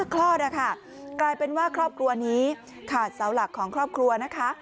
คลอดนะคะกลายเป็นว่าครอบครัวนี้ขาดเสาหลักของครอบครัวนะคะ